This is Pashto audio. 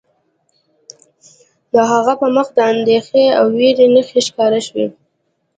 د هغه په مخ کې د اندیښنې او ویرې نښې ښکاره شوې